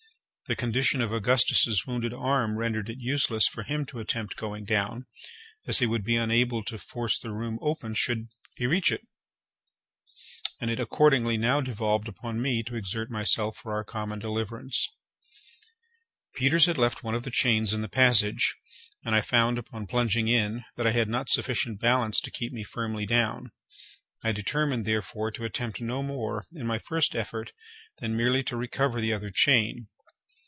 The condition of Augustus's wounded arm rendered it useless for him to attempt going down, as he would be unable to force the room open should he reach it, and it accordingly now devolved upon me to exert myself for our common deliverance. Peters had left one of the chains in the passage, and I found, upon plunging in, that I had not sufficient balance to keep me firmly down. I determined, therefore, to attempt no more, in my first effort, than merely to recover the other chain.